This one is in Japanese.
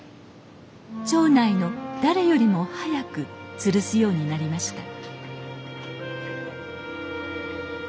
町内の誰よりも早くつるすようになりました